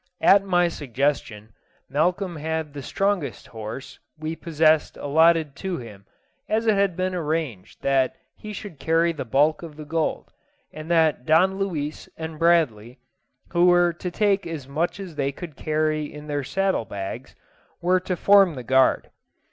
At my suggestion, Malcolm had the strongest horse we possessed allotted to him, as it had been arranged that he should carry the bulk of the gold, and that Don Luis and Bradley, who were to take as much as they could carry in their saddle bags, were to form the guard.